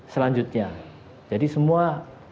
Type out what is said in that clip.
selanjutnya jadi semua